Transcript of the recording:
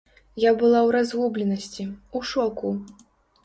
Я была ў разгубленасці, ў шоку.